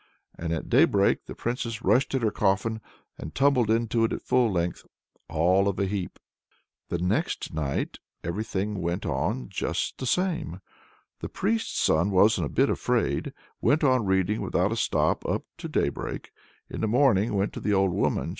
And at daybreak the Princess rushed at her coffin, and tumbled into it at full length, all of a heap. The next night everything went on just the same. The priest's son wasn't a bit afraid, went on reading without a stop right up to daybreak, and in the morning went to the old woman.